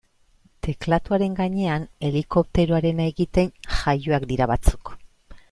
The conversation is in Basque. Teklatuaren gainean helikopteroarena egiten jaioak dira batzuk.